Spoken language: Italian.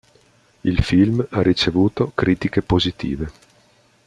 Il film ha ricevuto critiche positive.